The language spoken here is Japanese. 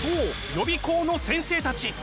予備校の先生たち。